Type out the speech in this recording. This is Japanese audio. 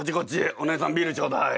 おねえさんビールちょうだい。